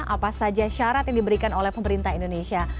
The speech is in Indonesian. apa saja syarat yang diberikan oleh pemerintah indonesia